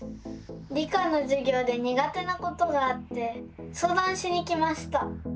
理科のじゅぎょうでにが手なことがあってそうだんしに来ました。